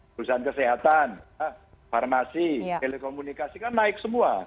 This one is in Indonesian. perusahaan kesehatan farmasi telekomunikasi kan naik semua